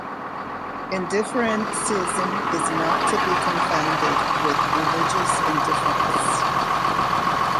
Indifferentism is not to be confounded with religious indifference.